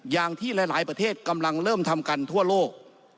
อย่างที่หลายประเทศกำลังเริ่มทำกันทั่วโลก